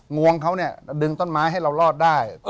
งวงเขาเนี่ยดึงต้นไม้ให้เรารอดได้